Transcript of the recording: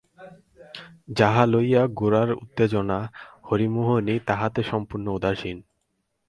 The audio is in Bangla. যাহা লইয়া গোরার উত্তেজনা হরিমোহিনী তাহাতে সম্পূর্ণ উদাসীন।